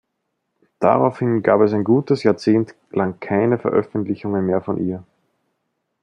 Daraufhin gab es ein gutes Jahrzehnt lang keine Veröffentlichungen mehr von ihr.